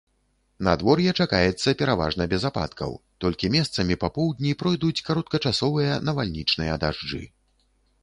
Надвор'е чакаецца пераважна без ападкаў, толькі месцамі па поўдні пройдуць кароткачасовыя навальнічныя дажджы.